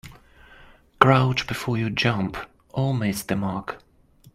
Crouch before you jump or miss the mark.